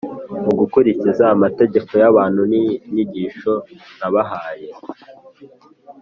mugakurikiza amategeko y abantu n inyigisho nabahaye